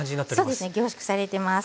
凝縮されてます。